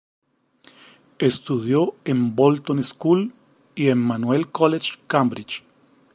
Estudió en Bolton School y Emmanuel College, Cambridge.